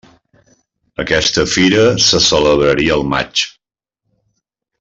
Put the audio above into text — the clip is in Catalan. Aquesta fira se celebraria al maig.